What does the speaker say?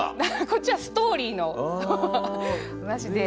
こっちはストーリーの話で。